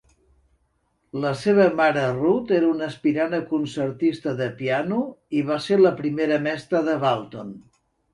La seva mare Ruth era una aspirant a concertista de piano, i va ser la primera mestra de Walton.